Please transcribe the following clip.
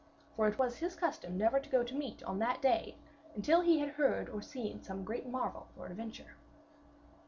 For it was his custom never to go to meat on that day until he had heard or seen some great marvel or adventure.